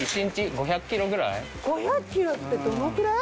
５００ｋｇってどのくらい？